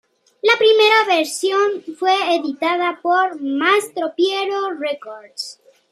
La primera versión fue editada por "Mastropiero Records".